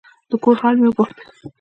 د کور حال مې وپوښت.